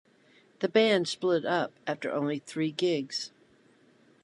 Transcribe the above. The band split up after only three gigs.